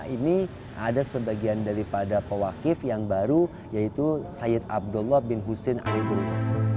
ini ada sebagian daripada pewakif yang baru yaitu syed abdullah bin hussein ali durs